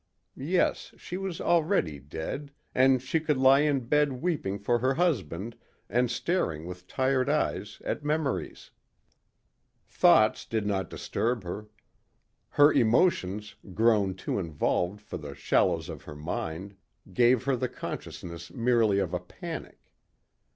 Yes, she was already dead and she could lie in bed weeping for her husband and staring with tired eyes at memories. Thoughts did not disturb her. Her emotions, grown too involved for the shallows of her mind, gave her the consciousness merely of a panic.